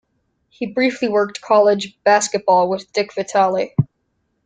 He briefly worked college basketball with Dick Vitale.